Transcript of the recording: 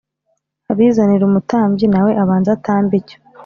Abizanire umutambyi na we abanze atambe icyo